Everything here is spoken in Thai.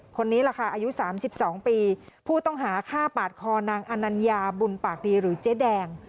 คนนี้แหละค่ะอายุ๓๒ปีผู้ต้องหาฆ่าปาดคอนางอนัญญาบุญปากดีหรือเจ๊แดง